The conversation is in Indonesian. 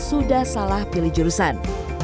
sudah salah pilih jurusan